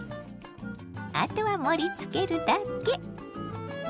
あとは盛りつけるだけ。